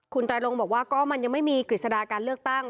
คุณไตรลงบอกว่าก็มันยังไม่มีกฤษฎาการเลือกตั้ง